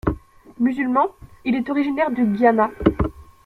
Musulman, il est originaire du Guyana.